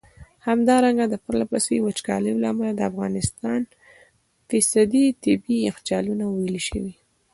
همدارنګه د پرله پسي وچکالیو له امله د افغانستان ٪ طبیعي یخچالونه ویلي شوي.